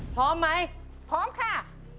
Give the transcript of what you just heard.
พร้อมไหมพร้อมค่ะ